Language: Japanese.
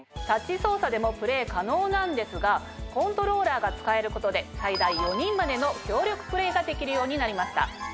タッチ操作でもプレイ可能なんですがコントローラーが使えることで最大４人までの協力プレイができるようになりました。